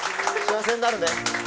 幸せになるね。